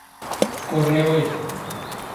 ⵓⵔ ⵏⵉⵡⵉⵍ.